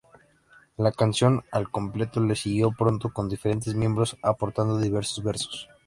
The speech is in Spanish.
La canción al completo le siguió pronto, con diferentes miembros aportando diversos versos.